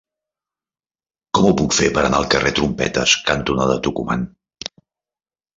Com ho puc fer per anar al carrer Trompetes cantonada Tucumán?